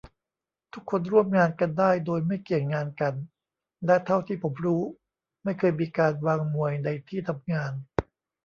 ทุกคนร่วมงานกันได้โดยไม่เกี่ยงงานกัน และเท่าที่ผมรู้ไม่เคยมีการวางมวยในที่ทำงาน